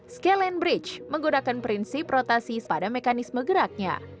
scalen bridge menggunakan prinsip rotasi pada mekanisme geraknya